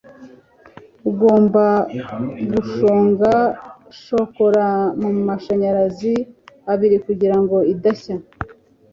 ugomba gushonga shokora mumashanyarazi abiri kugirango idashya